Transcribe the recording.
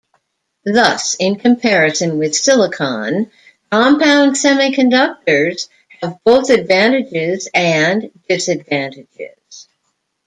Thus, in comparison with silicon, compound semiconductors have both advantages and disadvantages.